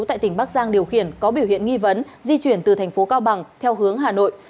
tại tỉnh bắc giang điều khiển có biểu hiện nghi vấn di chuyển từ thành phố cao bằng theo hướng hà nội